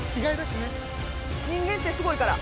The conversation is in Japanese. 人間ってすごいから。